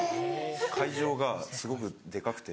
会場がすごくデカくて。